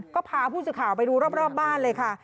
ก็พาผู้สื่อข่าวไปดูรอบบ้านเลยค่ะ